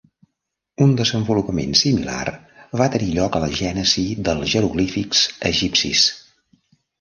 Un desenvolupament similar va tenir lloc a la gènesi dels jeroglífics egipcis.